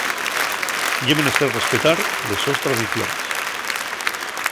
Ye menester respetar les sos tradiciones.